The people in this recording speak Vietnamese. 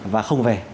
và không về